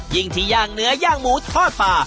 ยิ่งที่ย่างเนื้อย่างหมูทอดปลา